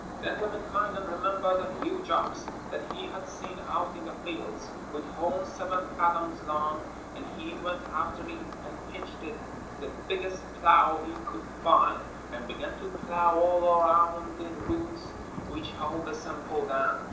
Then Lemminkainen remembered a huge ox that he had seen out in the fields, with horns seven fathoms long, and he went after it and hitched it to the biggest plough he could find, and began to plough all around the roots which held the Sampo down.